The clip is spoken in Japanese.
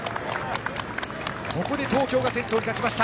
ここで東京が先頭に立ちました。